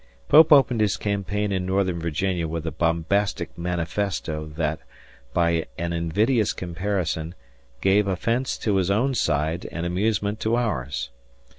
Pope opened his campaign in northern Virginia with a bombastic manifesto that, by an invidious comparison, gave offense to his own side and amusement to ours.